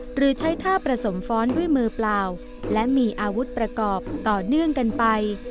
หรือใช้ท่าผสมฟ้อนด้วยมือเปล่าและมีอาวุธประกอบต่อเนื่องกันไป